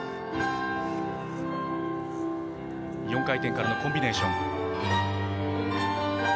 ４回転からのコンビネーション。